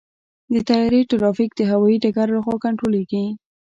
د طیارې ټرافیک د هوايي ډګر لخوا کنټرولېږي.